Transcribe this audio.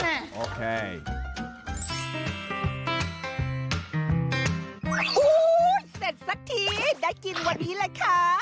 โอ้โหเสร็จสักทีได้กินวันนี้แหละค่ะ